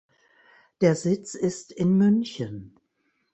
Der Sitz ist in München.